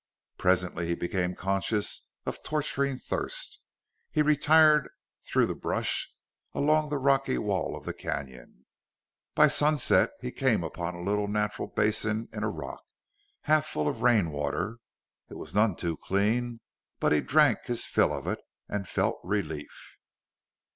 Presently he became conscious of torturing thirst. He retired through the brush, along the rocky wall of the canyon. By sunset he came upon a little natural basin in a rock, half full of rain water. It was none too clean, but he drank his fill of it, and felt relief.